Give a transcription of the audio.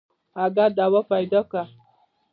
اگه دوا پيدا که.